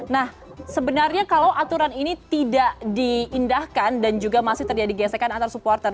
nah sebenarnya kalau aturan ini tidak diindahkan dan juga masih terjadi gesekan antar supporter